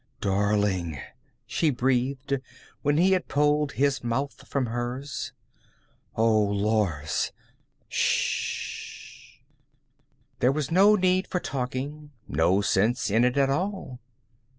"Darling," she breathed, when he had pulled his mouth from hers. "Oh, Lors..." "Shhh." There was no need for talking, no sense in it at all.